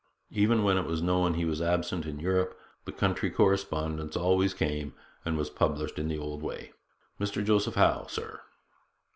Even when it was known that he was absent in Europe, the country correspondence always came, and was published in the old way: 'Mr Joseph Howe, Sir